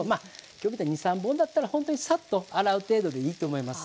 今日みたいに２３本だったらほんとにサッと洗う程度でいいと思います。